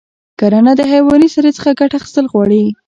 کرنه د حیواني سرې څخه ګټه اخیستل غواړي.